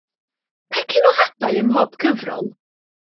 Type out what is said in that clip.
Pecyn o hadau ymhob cyfrol.